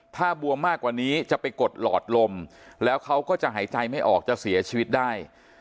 ถ้าบวมมากกว่านี้จะไปกดหลอดลมแล้วเขาก็จะหายใจไม่ออกจะเสียชีวิตได้